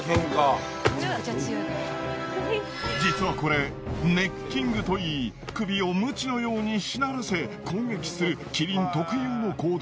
実はこれネッキングといい首をムチの様にしならせ攻撃するキリン特有の行動。